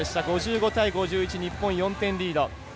５５対５１日本４点リード。